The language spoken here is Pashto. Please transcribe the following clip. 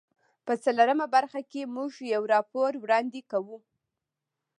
په څلورمه برخه کې موږ یو راپور وړاندې کوو.